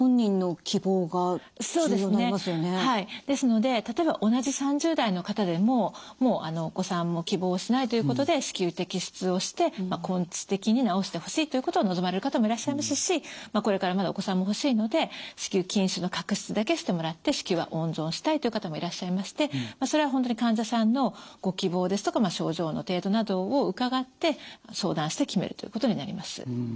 ですので例えば同じ３０代の方でももうお子さんも希望しないということで子宮摘出をして根治的に治してほしいということを望まれる方もいらっしゃいますしこれからまだお子さんも欲しいので子宮筋腫の核出だけしてもらって子宮は温存したいという方もいらっしゃいましてそれは本当に患者さんのご希望ですとか症状の程度などを伺って相談して決めるということになります。